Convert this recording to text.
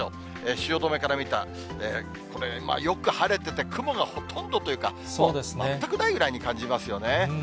汐留から見た、これ、よく晴れてて、雲がほとんどというか、全くないぐらいに感じますよね。